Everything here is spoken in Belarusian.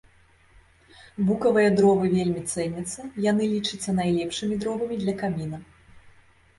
Букавыя дровы вельмі цэняцца, яны лічацца найлепшымі дровамі для каміна.